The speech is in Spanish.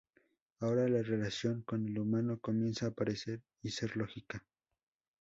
Ahora, la relación con el humano comienza a aparecer y ser lógica.